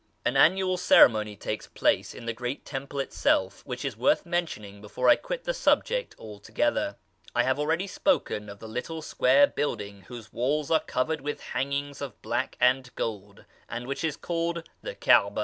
An annual ceremony takes place in the great temple itself which is worth mentioning before I quit the subject altogether. I have already spoken of the little square building whose walls are covered with hangings of black and gold, and which is called the Caaba.